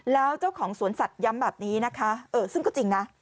แล้วเจ้าของสวนสัตว์ย้ำแบบนี้นะคะซึ่งก็จริงนะ